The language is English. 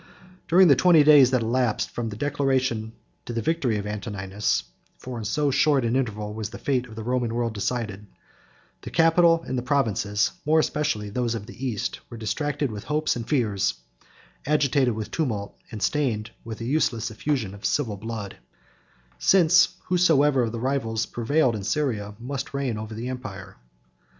During the twenty days that elapsed from the declaration of the victory of Antoninus (for in so short an interval was the fate of the Roman world decided,) the capital and the provinces, more especially those of the East, were distracted with hopes and fears, agitated with tumult, and stained with a useless effusion of civil blood, since whosoever of the rivals prevailed in Syria must reign over the empire.